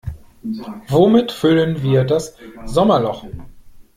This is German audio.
Womit füllen wir das Sommerloch?